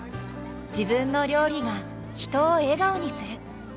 自分の料理が人を笑顔にする。